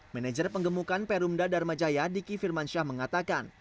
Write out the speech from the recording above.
manager penggemukan perumda dharmajaya diki firmansyah mengatakan